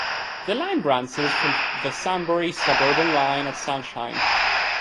The line branches from the Sunbury suburban line at Sunshine.